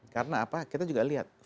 karena apa kita juga lihat